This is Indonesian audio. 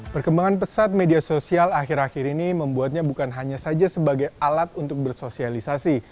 perkembangan pesat media sosial akhir akhir ini membuatnya bukan hanya saja sebagai alat untuk bersosialisasi